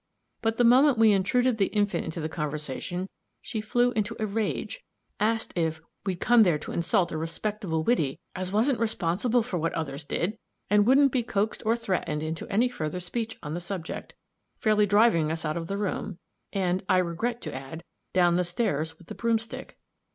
But the moment we intruded the infant into the conversation, she flew into a rage, asked if "we'd come there to insult a respectable widdy, as wasn't responsible for what others did?" and wouldn't be coaxed or threatened into any further speech on the subject, fairly driving us out of the room and (I regret to add) down the stairs with the broomstick.